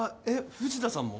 藤田さんも？